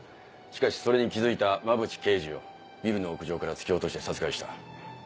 しかしそれに気付いた馬淵刑事をビルの屋上から突き落として殺害した。